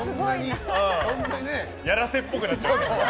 やらせっぽくなっちゃう。